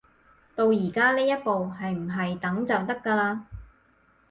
到而家呢一步，係唔係等就得㗎喇